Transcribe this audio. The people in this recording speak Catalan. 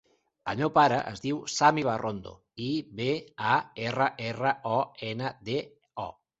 El meu pare es diu Sam Ibarrondo: i, be, a, erra, erra, o, ena, de, o.